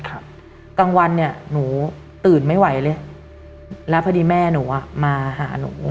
กลางวันเนี้ยหนูตื่นไม่ไหวเลยแล้วพอดีแม่หนูอ่ะมาหาหนู